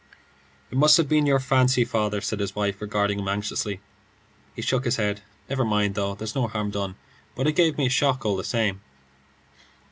"It must have been your fancy, father," said his wife, regarding him anxiously. He shook his head. "Never mind, though; there's no harm done, but it gave me a shock all the same."